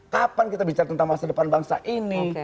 kapan kita bicara tentang masa depan bangsa ini